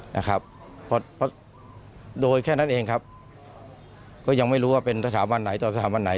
นะครับเพราะโดยแค่นั้นเองครับก็ยังไม่รู้ว่าเป็นสถาบันไหนต่อสถาบันไหน